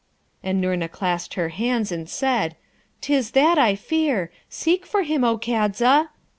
And Noorna clasped her hands, and said, ''Tis that I fear! Seek for him, O Kadza!'